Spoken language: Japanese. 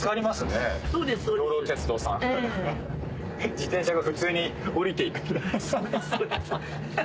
自転車が普通に降りていく。